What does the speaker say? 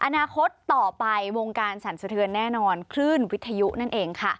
อนาคตต่อไปวงการสั่นสะเทือนแน่นอนคลื่นวิทยุนั่นเองค่ะ